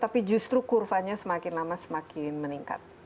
tapi justru kurvanya semakin lama semakin meningkat